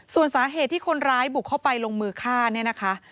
ส่วนสาเหตุที่คนร้ายบุกเข้าไปลงมือฆ่า